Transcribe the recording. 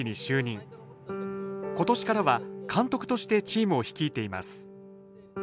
今年からは監督としてチームを率いています